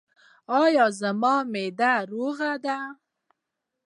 ایا زما معده روغه ده؟